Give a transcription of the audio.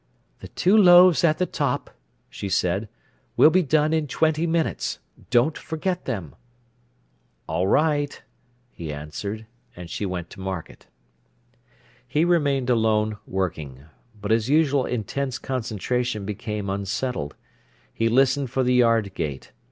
"The two loaves at the top," she said, "will be done in twenty minutes. Don't forget them." "All right," he answered; and she went to market. He remained alone working. But his usual intense concentration became unsettled. He listened for the yard gate.